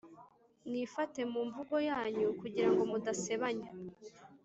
mwifate mu mvugo yanyu kugira ngo mudasebanya,